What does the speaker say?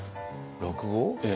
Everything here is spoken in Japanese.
落語？